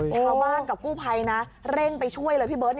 ชาวบ้านกับกู้ภัยนะเร่งไปช่วยเลยพี่เบิร์ต